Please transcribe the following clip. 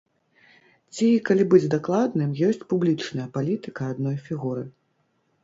Ці, калі быць дакладным, ёсць публічная палітыка адной фігуры.